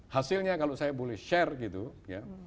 hasilnya kalau saya boleh share gitu ya